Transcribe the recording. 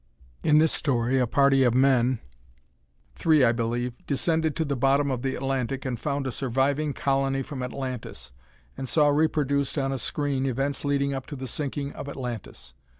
In this story a party of men (three, I believe) descended to the bottom of the Atlantic and found a surviving colony from Atlantis, and saw reproduced on a screen events leading up to the sinking of Atlantis.